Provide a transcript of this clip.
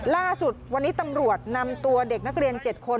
ล่าสุดวันนี้ตำรวจนำตัวเด็กนักเรียน๗คน